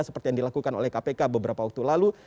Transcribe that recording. seperti yang dilakukan oleh kpk beberapa waktu lalu